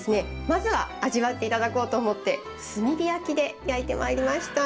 まずは味わって頂こうと思って炭火焼きで焼いてまいりました。